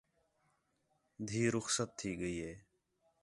ڈِھی رخصت تھی ڳئی ہے